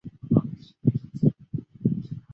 这个形成的地下渠道就是熔岩管。